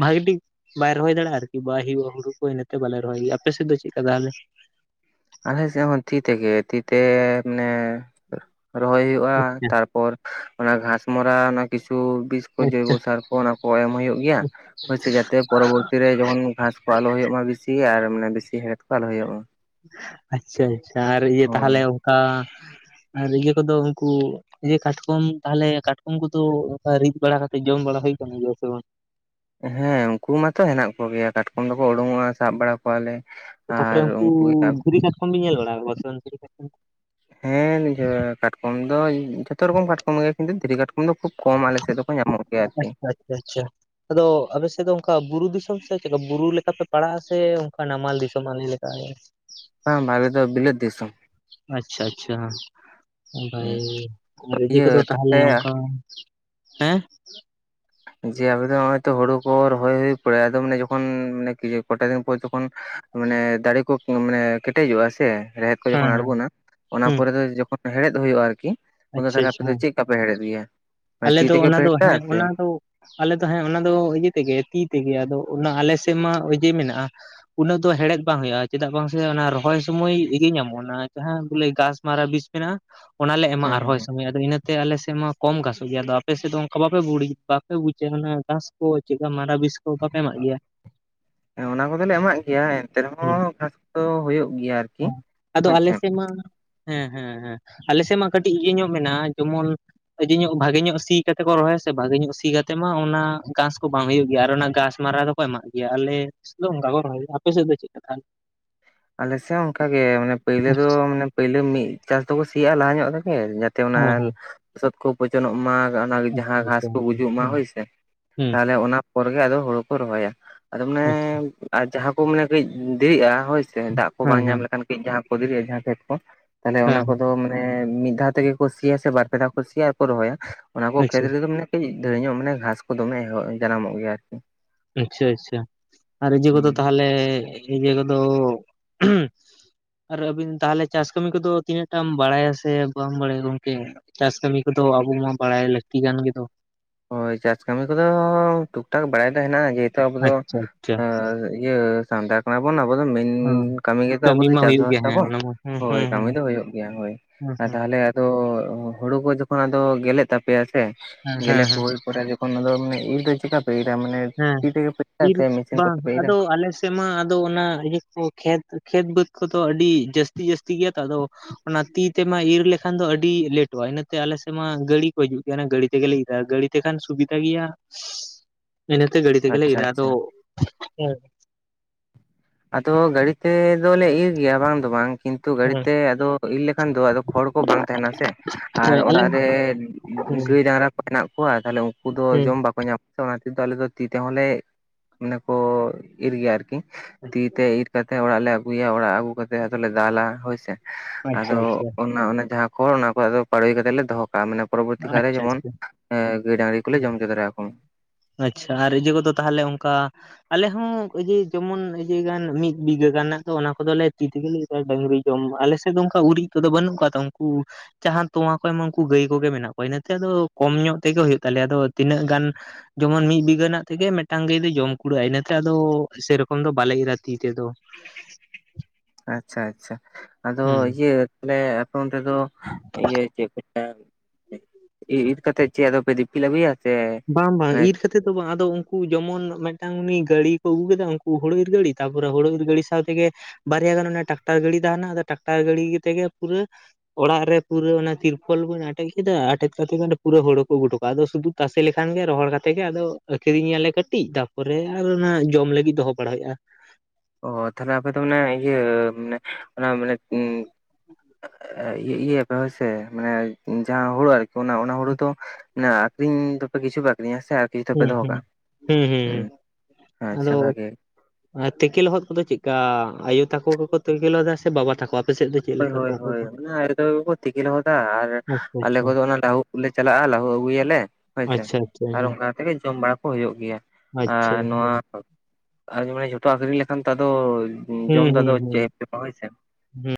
ᱵᱷᱟᱜᱮ ᱴᱷᱤᱠ ᱵᱟᱭ ᱨᱚᱦᱚᱭ ᱫᱟᱲᱮᱭᱟᱜᱼᱟ ᱟᱨᱠᱤ ᱵᱟᱭ ᱦᱩᱭᱩᱜᱼᱟ ᱦᱩᱲᱩ ᱠᱚ ᱤᱱᱟᱹᱛᱮ ᱵᱟᱞᱮ ᱨᱚᱦᱚᱭ ᱜᱮᱭᱟ ᱟᱯᱮ ᱥᱮᱫ ᱫᱚ ᱪᱮᱫᱠᱟ ᱛᱟᱦᱚᱞᱮ? ᱟᱞᱮ ᱥᱮᱫ ᱦᱚᱸ ᱛᱤ ᱛᱮᱜᱮ ᱛᱤ ᱛᱮ ᱢᱟᱱᱮ ᱨᱚᱦᱚᱭ ᱦᱳᱭᱳᱜᱼᱟ ᱛᱟᱨ ᱯᱚᱨ ᱚᱱᱟ ᱜᱷᱟᱥᱢᱚᱨᱟ ᱚᱱᱟ ᱠᱤᱪᱷᱩ ᱵᱤᱥ ᱠᱚ ᱡᱳᱭᱵᱳ ᱟᱪᱪᱷᱟ ᱥᱟᱨ ᱠᱚ ᱚᱱᱟ ᱠᱚ ᱮᱢ ᱦᱳᱭᱳᱜ ᱜᱮᱭᱟ ᱾ ᱦᱳᱭ ᱥᱮ ᱡᱟᱛᱮ ᱯᱚᱨᱚᱵᱚᱨᱛᱤ ᱨᱮ ᱡᱚᱠᱷᱚᱱ ᱜᱷᱟᱥ ᱠᱚ ᱟᱞᱚ ᱦᱳᱭᱳᱜ ᱢᱟ ᱵᱤᱥᱤ ᱟᱨ ᱢᱟᱱᱮ ᱵᱤᱥᱤ ᱦᱮᱲᱦᱮᱫ ᱠᱚ ᱟᱞᱚ ᱦᱳᱭᱳᱜ ᱢᱟ ᱾ ᱟᱪᱪᱷᱟ ᱟᱪᱪᱷᱟ ᱟᱨ ᱤᱭᱟᱹ ᱦᱳᱭ ᱛᱟᱦᱚᱞᱮ ᱚᱱᱠᱟ ᱟᱨ ᱤᱭᱟᱹ ᱠᱚᱫᱚ ᱩᱱᱠᱩ ᱡᱮ ᱠᱟᱴᱠᱚᱢ ᱛᱟᱦᱚᱞᱮ ᱠᱟᱴᱠᱚᱢ ᱠᱚᱫᱚ ᱚᱱᱟ ᱨᱤᱫ ᱵᱟᱲᱟ ᱠᱟᱛᱮᱜ ᱡᱚᱢ ᱵᱟᱲᱟ ᱦᱳᱭ ᱠᱟᱱ ᱜᱮᱭᱟ ᱥᱮ ᱵᱟᱝ? ᱦᱮᱸ ᱩᱱᱠᱩ ᱢᱟᱛᱚ ᱦᱮᱱᱟᱜ ᱠᱚᱜᱮᱭᱟ ᱠᱟᱴᱠᱚᱢ ᱫᱚᱠᱚ ᱳᱲᱳᱝᱚᱜᱼᱟ ᱥᱟᱵ ᱵᱟᱲᱟ ᱠᱚᱣᱟᱞᱮ ᱟᱨ ᱩᱱᱠᱩ ᱜᱮ ᱦᱟᱜ [unintelligible] ᱧᱮᱞ ᱵᱟᱲᱟ [inaudible] ᱦᱮᱸ [unintelligible] ᱠᱟᱴᱠᱚᱢ ᱫᱚ ᱡᱷᱚᱛᱚ ᱨᱚᱠᱚᱢ ᱠᱟᱴᱠᱚᱢ ᱜᱮ ᱠᱤᱱᱛᱩ ᱫᱷᱤᱨᱤ ᱠᱟᱴ [unintelligible] ᱠᱷᱩᱵ ᱠᱚᱢ ᱟᱞᱮ ᱥᱮᱫ ᱫᱚᱠᱚ ᱧᱟᱢᱚᱜ ᱜᱮᱭᱟ ᱟᱨᱠᱤ ᱾ ᱟᱪᱪᱷᱟ ᱟᱪᱪᱷᱟ ᱾ ᱟᱫᱚ ᱟᱯᱮ ᱥᱮᱫ ᱫᱚ ᱚᱱᱠᱟ ᱵᱩᱨᱩ ᱫᱤᱥᱚᱢ ᱥᱮ ᱪᱮᱫᱠᱟ ᱵᱩᱨᱩ ᱞᱮᱠᱟᱯᱮ ᱯᱟᱲᱟᱜ-ᱟ, ᱥᱮ ᱚᱱᱠᱟ ᱱᱟᱢᱟᱞ ᱫᱤᱥᱚᱢ ᱟᱞᱮ ᱞᱮᱠᱟ ᱜᱮ? ᱵᱟᱝ ᱵᱟᱝ ᱟᱞᱮ ᱫᱚ ᱵᱤᱞᱟᱹᱛ ᱫᱤᱥᱚᱢ ᱾ ᱟᱪᱪᱷᱟ ᱟᱪᱪᱷᱟ ᱵᱷᱟᱜᱮ ᱟᱨ ᱤᱭᱟᱹ ᱠᱚᱫᱚ ᱛᱟᱦᱚᱞᱮ ᱚᱱᱠᱟ ᱾ ᱦᱮᱸ ᱡᱮ ᱟᱵᱮ ᱫᱚ ᱱᱚᱜ-ᱚᱭ ᱛᱚ ᱦᱳᱲᱳ ᱠᱚ ᱨᱚᱦᱚᱭ ᱦᱳᱭ ᱯᱚᱨᱮ ᱟᱫᱚ ᱢᱟᱱᱮ ᱡᱚᱠᱷᱚᱱ ᱢᱟᱱᱮ ᱠᱚᱴᱟ ᱫᱤᱱ ᱯᱚᱨ ᱛᱚᱠᱷᱚᱱ ᱾ ᱢᱟᱱᱮ ᱫᱟᱲᱮ ᱠᱚ ᱢᱟᱱᱮ ᱠᱮᱴᱮᱡᱚᱜᱼᱟ ᱥᱮ ᱾ ᱨᱮᱦᱮᱫ ᱠᱚ ᱦᱮᱸ ᱡᱚᱠᱷᱚᱱ ᱦᱮᱸ ᱟᱲᱜᱳᱱᱟ ᱚᱱᱟ ᱦᱩᱸ ᱯᱚᱨᱮ ᱫᱚ ᱡᱚᱠᱷᱚᱱ ᱦᱮᱲᱦᱮᱫ ᱦᱳᱭᱳᱜᱼᱟ ᱟᱨᱠᱤ, ᱩᱱᱫᱚ ᱟᱪᱪᱷᱟ ᱛᱟᱦᱞᱮ ᱟᱯᱮ ᱟᱪᱪᱷᱟ ᱫᱚ ᱪᱮᱫ? ᱛᱟᱯᱮ ᱦᱮᱲᱮᱫ ᱜᱮᱭᱟ ᱟᱞᱮ ᱛᱤ ᱫᱚ ᱛᱮᱜᱮ ᱚᱱᱟ ᱯᱮ ᱫᱚ ᱦᱮᱲᱦᱮᱫᱟ ᱦᱮᱸ ᱥᱮ ᱚᱱᱟ ᱫᱚ ᱾ ᱟᱞᱮ ᱫᱚ ᱦᱮᱸ ᱚᱱᱟ ᱫᱚ ᱤᱭᱟᱹ ᱛᱮᱜᱮ ᱛᱤ ᱛᱮᱜᱮ ᱟᱫᱚ ᱚᱱᱟ ᱟᱞᱮ ᱥᱮᱫ ᱢᱟ ᱚᱡᱮ ᱢᱮᱱᱟᱜᱼᱟ ᱾ ᱩᱱᱟᱹᱜ ᱫᱚ ᱦᱮᱲᱦᱮᱫ ᱵᱟᱝ ᱦᱳᱭᱳᱜᱼᱟ, ᱪᱮᱫᱟᱜ ᱵᱟᱝ ᱥᱮ ᱚᱱᱟ ᱨᱚᱦᱚᱭ ᱥᱩᱢᱚᱭ ᱤᱭᱟᱹ ᱧᱟᱢᱚᱜᱼᱟ ᱚᱱᱟ ᱡᱟᱦᱟᱸ ᱵᱚᱞᱮ ᱜᱷᱟᱥᱢᱟᱨᱟ ᱵᱤᱥ ᱾ ᱢᱮᱱᱟᱜᱼᱟ ᱚᱱᱟᱞᱮ ᱦᱩᱸ ᱮᱢᱟᱜ-ᱟ ᱦᱩᱸ ᱨᱚᱦᱚᱭ ᱦᱩᱸ ᱥᱚᱢᱚᱭ ᱟᱫᱚ ᱤᱱᱟᱹᱛᱮ ᱟᱞᱮ ᱥᱮᱫ ᱢᱟ ᱠᱚᱢ ᱜᱟᱥ ᱟᱫᱚ ᱟᱯᱮ ᱥᱮᱫ ᱫᱚ ᱚᱱᱠᱟ ᱵᱟᱯᱮ [inaudible] ᱵᱟᱯᱮ ᱵᱩᱡᱟ ᱚᱱᱟ ᱜᱷᱟᱥ ᱠᱚ ᱪᱮᱫᱠᱟ ᱢᱟᱨᱟ ᱵᱤᱥ ᱠᱚ ᱵᱟᱯᱮ ᱮᱢᱟᱜ ᱜᱮᱭᱟ? [unintelligible] ᱦᱮᱸ ᱚᱱᱟ ᱠᱚᱫᱚ ᱞᱮ ᱮᱢᱟᱜ ᱜᱮᱭᱟ ᱮᱱᱛᱮ ᱨᱮᱦᱚᱸ ᱜᱷᱟᱥ ᱫᱚ ᱦᱳᱭᱳᱜ ᱜᱮᱭᱟ ᱟᱨᱠᱤ ᱦᱮᱸ ᱟᱫᱚ ᱦᱳᱭ ᱥᱮ ᱟᱞᱮ ᱾ ᱥᱮᱫ ᱢᱟ [inaudible] ᱦᱮᱸ ᱦᱮᱸ ᱦᱮᱸ ᱟᱞᱮ ᱥᱮᱫ ᱢᱟ ᱠᱟᱹᱴᱤᱡ ᱤᱭᱟᱹ ᱧᱚᱜ ᱢᱮᱱᱟᱜᱼᱟ ᱡᱮᱢᱚᱱ [inaudible] ᱧᱚᱜ ᱵᱷᱟᱜᱮ ᱧᱚᱜ ᱥᱤ ᱠᱟᱛᱮ ᱠᱚ ᱨᱚᱦᱚᱭᱟ ᱥᱮ ᱵᱷᱟᱜᱮ ᱧᱚᱜ ᱥᱤ ᱠᱟᱛᱮ ᱢᱟ ᱚᱱᱟ ᱜᱷᱟᱥ ᱠᱚ ᱵᱟᱝ ᱦᱳᱭᱳᱜ ᱜᱮᱭᱟ, ᱟᱨ ᱚᱱᱟ ᱜᱷᱟᱥ ᱢᱟᱨᱟ ᱫᱚ ᱾ ᱠᱚ ᱮᱢᱟᱜ ᱜᱮᱭᱟ ᱟᱞᱮ ᱥᱮᱫ ᱫᱚ ᱚᱱᱠᱟ ᱠᱚ ᱨᱚᱦᱚᱭᱟ, ᱟᱯᱮ ᱥᱮᱫ ᱫᱚ ᱪᱮᱫᱠᱟ ᱛᱟᱦᱞᱮ? ᱟᱞᱮᱥᱮᱫ ᱦᱚᱸ ᱚᱱᱠᱟ ᱜᱮ ᱢᱟᱱᱮ ᱯᱟᱹᱭᱞᱟᱹ ᱫᱚ ᱢᱟᱱᱮ ᱯᱟᱹᱭᱞᱟᱹ ᱢᱤᱫ ᱪᱟᱥ ᱫᱚᱠᱚ ᱥᱤᱭᱟᱜᱼᱟ ᱞᱟᱦᱟ ᱧᱚᱜ ᱨᱮᱜᱮ ᱛᱮ ᱚᱱᱟ ᱦᱮᱸ ᱞᱚᱥᱚᱫ ᱠᱚ ᱯᱚᱪᱚᱱᱚᱜ ᱢᱟ ᱚᱱᱟ ᱟᱪᱪᱷᱟ ᱡᱟᱦᱟᱸ ᱟᱪᱪᱷᱟ ᱟᱪᱪᱷᱟ ᱜᱷᱟᱥ ᱦᱮᱸ ᱠᱚ ᱦᱮᱸ ᱜᱩᱡᱩᱜ ᱢᱟ ᱦᱳᱭ ᱟᱪᱪᱷᱟ ᱥᱮ ᱾ ᱛᱟᱦᱞᱮ ᱚᱱᱟ ᱯᱚᱨ ᱜᱮ ᱟᱫᱚ ᱦᱳᱲᱳ ᱠᱚ ᱨᱚᱦᱚᱭᱟ ᱟᱫᱚ ᱢᱟᱱᱮ ᱟᱨ ᱡᱟᱦᱟᱸ ᱠᱚ ᱢᱟᱱᱮ ᱠᱟᱹᱡ ᱫᱮᱨᱤᱜᱼᱟ ᱦᱳᱭ ᱥᱮ ᱫᱟᱜ ᱠᱚ ᱦᱮᱸ ᱵᱟᱝ ᱦᱮᱸ ᱧᱟᱢ ᱞᱮᱠᱷᱟᱱ ᱠᱟᱹᱡ ᱡᱟᱦᱟᱸ ᱠᱚ ᱫᱮᱨᱤᱜᱼᱟ ᱡᱟᱦᱟᱸ ᱠᱷᱮᱛ ᱠᱚ ᱾ ᱛᱟᱦᱞᱮ ᱚᱱᱟ ᱦᱮᱸ ᱦᱮᱸ ᱠᱚᱫᱚ ᱢᱟᱱᱮ ᱢᱤᱫ ᱫᱷᱟᱣ ᱛᱮᱜᱮ ᱠᱚ ᱥᱤᱭᱟ ᱥᱮ ᱵᱟᱨᱯᱮ ᱫᱷᱟᱣ ᱠᱚ ᱥᱤᱭᱟ ᱟᱨᱠᱚ ᱨᱚᱦᱚᱭᱟ? ᱚᱱᱟ ᱠᱚ ᱠᱷᱮᱛ ᱟᱪᱪᱷᱟ ᱨᱮᱫᱚ ᱢᱟᱱᱮ ᱠᱟᱹᱡ ᱫᱷᱟᱹᱨ ᱧᱚᱜ ᱢᱟᱱᱮ ᱜᱷᱟᱸᱥ ᱠᱚ ᱫᱚᱢᱮ ᱡᱟᱱᱟᱢᱚᱜ ᱜᱮᱭᱟ ᱟᱨᱠᱤ। ᱟᱪᱪᱷᱟ ᱟᱪᱪᱷᱟ ᱟᱨ ᱤᱡᱟᱹ ᱠᱚᱫᱚ ᱛᱟᱦᱟᱞᱮ ᱤᱡᱟᱹ ᱠᱚᱫᱚ ᱟᱨ ᱟᱵᱤᱱ ᱛᱟᱦᱟᱞᱮ ᱪᱟᱥ ᱠᱟᱹᱢᱤ ᱠᱚᱫᱚ ᱛᱤᱱᱟᱹᱜ ᱴᱟᱢ ᱵᱟᱲᱟᱭᱟ ᱥᱮ ᱵᱟᱢ ᱵᱟᱲᱟᱭᱟ ᱜᱚᱝᱠᱮ? ᱪᱟᱥ ᱠᱟᱹᱢᱤ ᱠᱚᱫᱚ ᱟᱵᱚ ᱢᱟ ᱵᱟᱲᱟᱭ ᱞᱟᱹᱠᱛᱤ ᱠᱟᱱ ᱜᱮᱫᱚ। ᱦᱳᱭ ᱪᱟᱥ ᱠᱟᱹᱢᱤ ᱠᱚᱫᱚ ᱴᱩᱠ ᱴᱟᱠ ᱵᱟᱲᱟᱭ ᱫᱚ ᱦᱮᱱᱟᱜᱼᱟ ᱡᱮ ᱼᱼ ᱛᱚ ᱟᱵᱚ ᱫᱚ ᱟᱪᱪᱷᱟ ᱟᱪᱪᱷᱟ ᱮᱸᱻ ᱤᱭᱟᱹ ᱥᱟᱱᱛᱟᱲ ᱠᱟᱱᱟ ᱵᱚᱱ ᱟᱵᱚ ᱫᱚ ᱢᱮᱱ ᱦᱮᱸ ᱠᱟᱹᱢᱤ ᱜᱮ ᱛᱚ ᱟᱵᱚ ᱫᱚ ᱢᱟ ᱦᱩᱭᱩᱜ ᱪᱟᱥᱵᱟᱥ ᱜᱮᱭᱟ ᱦᱮᱸ ᱛᱟᱵᱚᱱ ᱚᱱᱟ ᱢᱟ ᱦᱮᱸ ᱦᱳᱭ ᱦᱮᱸ ᱠᱟᱹᱢᱤ ᱦᱮᱸ ᱫᱚ ᱦᱩᱭᱩᱜ ᱜᱮᱭᱟ ᱦᱳᱭ᱾ ᱦᱮᱸ ᱟᱨ ᱦᱮᱸ ᱛᱟᱦᱟᱞᱮ ᱼᱼ ᱟᱫᱚ ᱦᱩᱲᱩ ᱠᱚ ᱡᱚᱠᱷᱚᱱ ᱟᱫᱚ ᱜᱮᱞᱮᱫ ᱛᱟᱯᱮᱭᱟ ᱥᱮ ᱦᱮᱸ ᱦᱮᱸ ᱜᱮᱞᱮ ᱠᱚ ᱦᱮᱸ ᱦᱩᱭ ᱯᱚᱨᱮ ᱡᱚᱠᱷᱚᱱ ᱟᱫᱚ ᱢᱟᱱᱮ ᱤᱨ ᱫᱚ ᱪᱮᱠᱟᱛᱮ ᱼᱼ ᱯᱮ ᱤᱨᱟ ᱢᱟᱱᱮ ᱦᱮᱸ ᱛᱤ ᱛᱮᱜᱮ ᱯᱮ ᱤᱨᱟ ᱥᱮ ᱢᱤᱥᱤᱱ ᱠᱚ ᱛᱮᱯᱮ ᱤᱨᱟ? ᱥᱮᱢᱟ ᱟᱫᱚ ᱚᱱᱟ ᱤᱭᱟᱹ ᱠᱚ ᱠᱷᱮᱛ ᱠᱷᱮᱛ ᱵᱟᱹᱫᱽ ᱠᱚᱫᱚ ᱟᱹᱰᱤ ᱡᱟᱹᱥᱛᱤ ᱡᱟᱹᱥᱛᱤ ᱜᱮᱭᱟ ᱛᱚ ᱟᱫᱚ ᱚᱱᱟ ᱛᱤ ᱛᱮᱢᱟ ᱤᱨ ᱞᱮᱠᱷᱟᱱ ᱫᱚ ᱟᱹᱰᱤ ᱞᱮᱴᱚᱜᱼᱟ ᱤᱱᱟᱹᱛᱮ ᱟᱞᱮ ᱥᱮᱫ ᱢᱟ ᱜᱟᱹᱲᱤ ᱠᱚ ᱦᱤᱡᱩᱜ ᱜᱮᱭᱟ ᱚᱱᱟ ᱜᱟᱹᱲᱤ ᱛᱮᱜᱮ ᱞᱮ ᱤᱨᱟ ᱜᱟᱹᱲᱤ ᱛᱮᱠᱷᱟᱱ ᱥᱩᱵᱤᱫᱟ ᱜᱮᱭᱟ᱾ ᱤᱱᱟᱹᱛᱮ ᱜᱟᱹᱲᱤ ᱛᱮᱜᱮᱞᱮ ᱟᱪᱪᱷᱟ ᱮᱨᱟ ᱟᱫᱚ ᱟᱪᱪᱷᱟ ᱦᱩᱸ ᱟᱫᱚ ᱜᱟᱹᱲᱤ ᱛᱮ ᱫᱚᱞᱮ ᱤᱨ ᱜᱮᱭᱟ ᱵᱟᱝ ᱫᱚ ᱵᱟᱝ ᱠᱤᱱᱛᱩ ᱜᱟᱹᱲᱤ ᱦᱮᱸ, ᱛᱮ ᱟᱫᱚ ᱼᱼ ᱤᱨ ᱞᱮᱠᱷᱟᱱ ᱫᱚ ᱟᱫᱚ ᱠᱷᱚᱲ ᱠᱚ ᱵᱟᱝ ᱛᱟᱦᱮᱱᱟ ᱥᱮ᱾ ᱟᱨ ᱦᱳᱭ ᱟᱞᱮ ᱚᱲᱟᱜ ᱨᱮ ᱦᱮᱸ ᱜᱟᱹᱭ ᱰᱟᱝᱨᱟ ᱼᱼ ᱢᱮᱱᱟᱜᱱᱟᱜ ᱠᱚᱣᱟ ᱛᱟᱦᱟᱞᱮ ᱩᱱᱠᱩ ᱫᱚ ᱦᱮᱸ ᱡᱚᱢ ᱵᱟᱠᱚ ᱼᱼ ᱛᱚ ᱚᱱᱟ ᱛᱮᱫᱚ ᱟᱞᱮ ᱫᱚ ᱛᱤ ᱛᱮᱦᱚᱸᱞᱮ ᱢᱟᱱᱮ ᱠᱚ ᱤᱨ ᱜᱮᱭᱟ ᱟᱨᱠᱤ। ᱛᱤ ᱛᱮ ᱤᱨ ᱠᱟᱛᱮ ᱚᱲᱟᱜ ᱞᱮ ᱟᱹᱜᱩᱭᱟ᱾ ᱚᱲᱟᱜ ᱟᱹᱜᱩ ᱠᱟᱛᱮ ᱛᱮ ᱟᱫᱚᱞᱮ ᱫᱟᱞᱟ ᱦᱳᱭᱥᱮ᱾ ᱟᱪᱪᱷᱟ ᱟᱫᱚ ᱟᱪᱪᱷᱟ ᱚᱱᱟ ᱚᱱᱟ ᱡᱟᱦᱟᱸ ᱼᱼ ᱦᱳᱭ ᱚᱱᱟ ᱠᱚ ᱟᱫᱚ ᱯᱟᱲᱳᱭ ᱠᱟᱛᱮᱫ ᱞᱮ ᱫᱚᱦᱚ ᱠᱟᱜᱼᱟ ᱢᱟᱱᱮ ᱼᱼ ᱯᱚᱨᱚᱵᱚᱨᱛᱤ ᱠᱟᱞᱨᱮ ᱟᱪᱪᱷᱟ ᱡᱮᱢᱚᱱ ᱟᱪᱪᱷᱟ ᱜᱟᱹᱭ ᱰᱟᱝᱨᱤ ᱠᱚ ᱞᱮ ᱦᱚᱪᱚ ᱫᱟᱲᱮ ᱟᱠᱚᱢᱟ ᱟᱪᱪᱷᱟ ᱟᱨ ᱤᱭᱟᱹ ᱠᱚᱫᱚ ᱛᱟᱦᱞᱮ ᱚᱱᱠᱟ ᱼᱼ ᱟᱞᱮ ᱦᱚᱸ ᱤᱭᱟᱹ ᱡᱮᱢᱚᱱ ᱤᱭᱟᱹ ᱜᱟᱱ ᱢᱤᱫ ᱵᱤᱜᱷᱟᱹ ᱜᱟᱱ ᱨᱮᱱᱟᱜ ᱫᱚ ᱚᱱᱟ ᱠᱚᱫᱚ ᱞᱮ ᱛᱤ ᱛᱮᱜᱮᱞᱮ ᱤ ᱰᱟᱹᱝᱨᱤ ᱡᱚᱢ ᱟᱞᱮᱥᱮᱫ ᱫᱚ ᱚᱱᱠᱟ ᱜᱩᱨᱤᱡ ᱠᱚᱫᱚ ᱵᱟᱹᱱᱩᱜ ᱠᱟᱜ ᱛᱚ ᱩᱱᱠᱩ ᱼᱼ ᱡᱟᱦᱟᱸ ᱛᱚᱣᱟ ᱠᱚ ᱮᱢᱟ ᱩᱱᱠᱩ ᱜᱟᱹᱭ ᱠᱚᱜᱮ ᱢᱮᱱᱟᱜ ᱠᱚᱣᱟ ᱤᱱᱟᱹᱛᱮ ᱟᱫᱚ ᱠᱚᱢ ᱧᱚᱜ ᱛᱮᱜᱮ ᱦᱩᱭᱩᱜ ᱛᱟᱞᱮᱭᱟ। ᱟᱫᱚ ᱛᱤᱱᱟᱹᱜ ᱜᱟᱱ ᱼᱼ ᱡᱮᱢᱚᱱ ᱢᱤᱫ ᱵᱤᱜᱷᱟᱹ ᱨᱮᱱᱟᱜ ᱛᱮᱜᱮ ᱢᱤᱫᱴᱟᱝ ᱜᱟᱹᱭ ᱫᱚᱭ ᱡᱚᱢ ᱠᱩᱲᱟᱹᱜᱼᱟ ᱤᱱᱟᱹᱛᱮ ᱟᱫᱚ ᱥᱮᱨᱚᱠᱚᱢ ᱫᱚ ᱵᱟᱞᱮ ᱤᱨᱟ ᱛᱤ ᱛᱮᱫᱚ। ᱟᱪᱪᱷᱟ ᱟᱪᱪᱷᱟ ᱟᱫᱚ ᱦᱮᱸ ᱤᱭᱟᱹ ᱛᱟᱦᱟᱞᱮ ᱟᱯᱮ ᱚᱱᱛᱮ ᱫᱚ ᱤᱭᱟᱹ ᱪᱮᱫ ᱠᱚ ᱪᱟᱥ ᱜᱮ ᱤᱨ ᱤᱨ ᱠᱟᱛᱮᱫ ᱪᱮᱫ ᱟᱫᱚᱯᱮ ᱫᱤᱯᱤᱞ ᱟᱜᱩᱭᱟ? ᱵᱟᱝ ᱵᱟᱝ ᱤᱨ ᱠᱟᱛ ᱛᱮ ᱫᱚ ᱵᱟᱝ ᱟᱫᱚ ᱩᱱᱠᱩ ᱡᱮᱢᱚᱱ ᱢᱮᱫᱴᱟᱝ ᱩᱱᱤ ᱜᱟᱹᱲᱤ ᱠᱚ ᱟᱹᱜᱩ ᱠᱮᱫᱟ ᱩᱱᱠᱩ ᱦᱳᱲᱳ ᱤᱨ ᱜᱟᱹᱲᱤ ᱛᱟᱯᱚᱨᱮ ᱦᱳᱲᱳ ᱤᱨ ᱜᱟᱹᱲᱤ ᱥᱟᱶᱛᱮᱜᱮ ᱼᱼ ᱵᱟᱨᱭᱟ ᱜᱟᱱ ᱚᱱᱟ ᱴᱨᱟᱠᱴᱟᱨ ᱜᱟᱹᱰᱤ ᱛᱟᱦᱮᱱᱟ ᱟᱫᱚ ᱴᱨᱟᱠᱴᱟᱨ ᱜᱟᱹᱰᱤ ᱛᱮᱜᱮ ᱯᱩᱨᱟᱹ ᱼᱼ ᱚᱲᱟᱜ ᱨᱮ ᱯᱩᱨᱟᱹ ᱚᱱᱟ ᱛᱤᱨᱯᱚᱞ ᱵᱤᱱ ᱟᱴᱮᱫ ᱠᱮᱫᱟ ᱟᱴᱮᱫ ᱠᱟᱛᱮ ᱯᱩᱨᱟᱹ ᱦᱩᱲᱩ ᱠᱚ ᱟᱹᱜᱩ ᱦᱚᱴᱚ ᱠᱟᱜᱼᱟ। ᱟᱫᱚ ᱥᱩᱫᱷᱩ ᱼᱼ ᱛᱟᱥᱮ ᱞᱮᱠᱷᱟᱱ ᱜᱮ ᱨᱚᱦᱚᱲ ᱠᱟᱛᱮᱜ ᱜᱮ ᱟᱫᱚ ᱟᱹᱠᱷᱨᱤᱧ ᱜᱮᱭᱟᱞᱮ ᱠᱟᱹᱴᱤᱡ ᱛᱟᱯᱚᱨᱮ ᱟᱨ ᱚᱱᱟ ᱡᱚᱢ ᱞᱟᱹᱜᱤᱫ ᱫᱚᱦᱚ ᱵᱟᱲᱟᱟ ᱦᱩᱭᱩᱜᱼᱟ। ᱚ ᱛᱟᱦᱟᱞᱮ ᱟᱯᱮ ᱫᱚ ᱢᱟᱱᱮ ᱤᱭᱟᱹ ᱢᱟᱱᱮ ᱚᱱᱟ ᱢᱟᱱᱮ ᱼᱼ [unintelligible] ᱤᱭᱟ. ᱤᱭᱟᱹᱭᱟ ᱯᱮ ᱦᱳᱭᱥᱮ ᱢᱟᱱᱮ ᱡᱟᱦᱟᱸ ᱦᱩᱲᱩ ᱟᱨᱠᱤ ᱚᱱᱟ ᱚᱱᱟ ᱦᱩᱲᱩ ᱫᱚ ᱼᱼ ᱢᱟᱱᱮ ᱟᱠᱷᱨᱤᱧ ᱫᱚᱯᱮ ᱠᱤᱪᱷᱩ ᱯᱮ ᱟᱠᱨᱤᱧᱟ ᱥᱮ ᱼᱼ ᱦᱩᱸ ᱦᱩᱸ ᱦᱩᱸ ᱦᱩᱸ ᱦᱩᱸ ᱟᱪᱪᱷᱟ ᱟᱫᱚ ᱼᱼ ᱵᱷᱟᱜᱮ ᱛᱮᱠᱮ ᱞᱚᱦᱚᱫ ᱠᱚᱫᱚ ᱪᱮᱫ ᱠᱟ ᱟᱭᱳ ᱛᱟᱠᱚ ᱜᱮᱠᱚ ᱛᱮᱠᱮ ᱞᱚᱦᱚᱫᱟ ᱥᱮ ᱵᱟᱵᱟ ᱛᱟᱠᱚ? ᱟᱯᱮ ᱥᱮᱫ ᱫᱚ ᱪᱮᱫ ᱦᱳᱭ ᱞᱮᱠᱟ ᱠᱚ ᱦᱳᱭ ᱚᱠᱚᱭ ᱦᱳᱭ ᱠᱚ ᱚᱱᱟ ᱟᱭᱳ ᱛᱟᱠᱚ ᱜᱮᱠᱚ ᱛᱮᱠᱮ ᱞᱚᱦᱚᱫᱟ ᱟᱨ ᱟᱪᱪᱷᱟ ᱟᱞᱮ ᱠᱚᱫᱚ ᱚᱱᱟ ᱞᱟᱹᱦᱩᱫ ᱞᱮ ᱪᱟᱞᱟᱜᱼᱟ ᱞᱟᱹᱦᱩ ᱟᱹᱜᱩᱭᱟᱞᱮ ᱦᱳᱭ ᱥᱮ। [unintelligible] ᱛᱮᱜᱮ ᱡᱚᱢ ᱵᱟᱲᱟ ᱠᱚ ᱦᱩᱭᱩᱜ ᱜᱮᱭᱟ᱾ ᱟᱪᱪᱷᱟ ᱟᱨ ᱱᱚᱣᱟ ᱟᱪᱪᱷᱟ ᱼᱼ ᱟᱨ ᱡᱮ ᱢᱟᱱᱮ ᱡᱷᱚᱛᱚ ᱟᱠᱷᱨᱤᱧ ᱞᱮᱠᱷᱟᱱ ᱛᱚ ᱟᱫᱚ ᱼᱼ ᱦᱩᱸ ᱦᱩᱸ ᱦᱩᱸ ᱦᱩᱸ